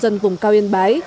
của nông dân vùng cao yên bái